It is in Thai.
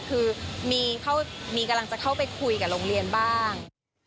คือมีกำลังจะเข้าไปคุยกับโรงเรียนบ้าง